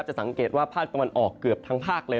จะสังเกตว่าพลาดกันวันออกเกือบทั้งภาค